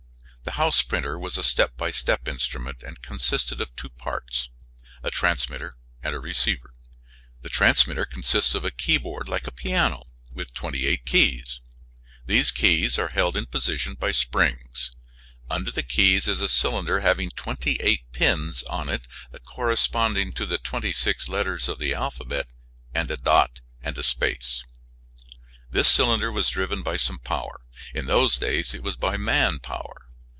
The House printer was a step by step instrument and consisted of two parts, a transmitter and a receiver. The transmitter consists of a keyboard like a piano, with twenty eight keys. These keys are held in position by springs. Under the keys is a cylinder having twenty eight pins on it corresponding to the twenty six letters of the alphabet and a dot and a space. This cylinder was driven by some power. In those days it was by man power.